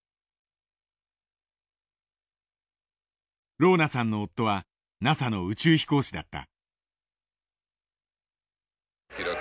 ローナさんの夫はＮＡＳＡの宇宙飛行士だった。